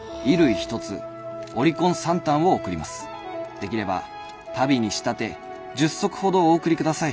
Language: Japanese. できれば足袋に仕立て１０足ほどお送りください」。